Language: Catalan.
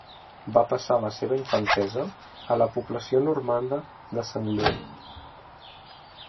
Va passar la seva infantesa a la població normanda de Saint-Lô.